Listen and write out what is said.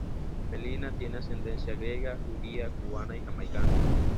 Melina tiene ascendencia griega, judía, cubana y jamaicana.